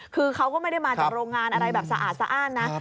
คือเขาก็ไม่ได้มาจากโรงงานอะไรแบบสะอาดสะอ้านนะ